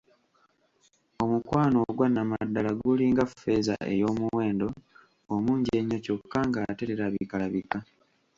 Omukwano ogwa Nnamaddala gulinga ffeeza ey'omuwendo omungi ennyo kyokka ng'ate terabikalabika.